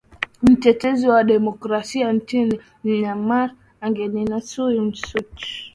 mtetezi wa demokrasia nchini myanmar anginsan suchi